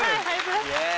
イエーイ